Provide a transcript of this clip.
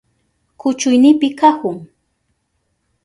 Kuchuynipi kahun.